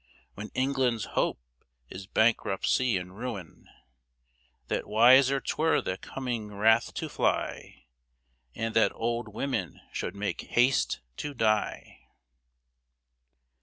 When England's hope is bankruptcy and ruin; That wiser 'twere the coming wrath to fly, And that old women should make haste to die.